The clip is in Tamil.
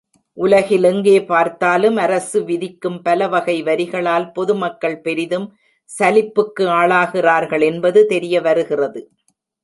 உலகில் எங்கே பார்த்தாலும் அரசு விதிக்கும் பல வகை வரிகளால் பொதுமக்கள் பெரிதும் சலிப்புக்கு ஆளாகிறார்கள் என்பது தெரியவருகிறது.